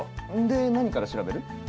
で何から調べる？